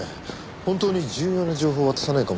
本当に重要な情報は渡さないかもしれない。